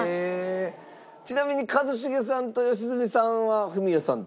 ちなみに一茂さんと良純さんはフミヤさんとは？